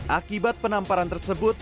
akibat penamparan tersebut